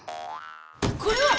これは！